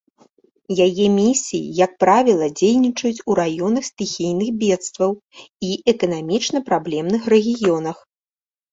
Яе місіі, як правіла, дзейнічаюць у раёнах стыхійных бедстваў і эканамічна праблемных рэгіёнах.